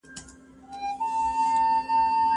زده کوونکي پوښتني کړې دي او تعليم زيات سوی دی.